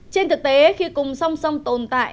trên thực tế khi cùng song song tồn tại